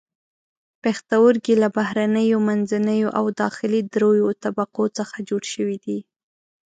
پښتورګي له بهرنیو، منځنیو او داخلي دریو طبقو څخه جوړ شوي دي.